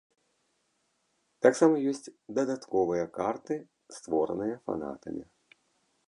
Таксама ёсць дадатковыя карты, створаныя фанатамі.